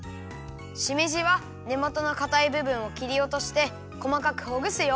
しめじはねもとのかたいぶぶんをきりおとしてこまかくほぐすよ。